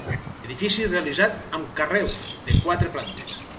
Edifici realitzat amb carreus, de quatre plantes.